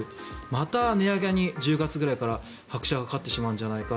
また値上げに、１０月ぐらいから拍車がかかってしまうんじゃないか。